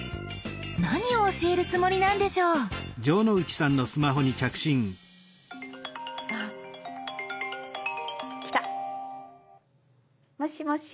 何を教えるつもりなんでしょう？来た！もしもし。